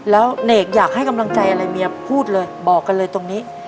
แล้วเนกอยากให้กำลังใจอะไรเมียพูดเลยบอกกันเลยตรงนี้